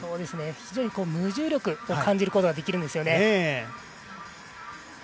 無重力を感じることができるんですよね。